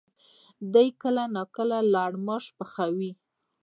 دوی کله ناکله لړماش پخوي؟